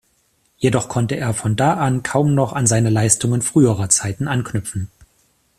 Jedoch konnte er von da an kaum noch an seine Leistungen früherer Zeiten anknüpfen.